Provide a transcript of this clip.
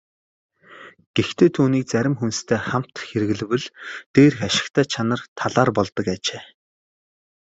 Гэхдээ түүнийг зарим хүнстэй хамт хэрэглэвэл дээрх ашигтай чанар талаар болдог ажээ.